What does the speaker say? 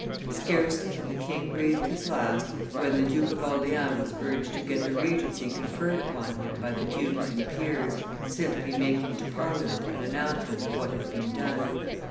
Scarcely had the king breathed his last, when the Duke of Orleans was urged to get the regency conferred upon him by the dukes and peers, simply making to Parliament an announcement of what had been done.